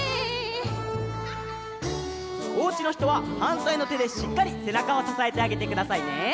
おうちのひとははんたいのてでしっかりせなかをささえてあげてくださいね。